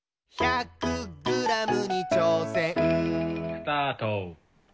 ・スタート！